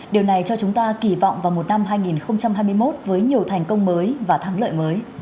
điều này cho chúng ta kỳ vọng vào một năm hai nghìn hai mươi một với nhiều thành công mới và thắng lợi mới